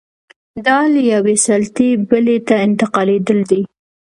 دا له یوې سلطې بلې ته انتقالېدل دي.